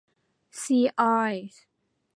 ซีออยล์